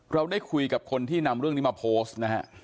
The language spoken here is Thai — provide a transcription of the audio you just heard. เราได้คุยกับคนที่นำเรื่องนี้มาโพสต์นะฮะ